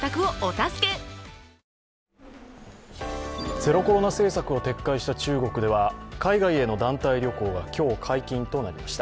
ゼロコロナ政策を撤回した中国では海外への団体旅行が今日、解禁となりました。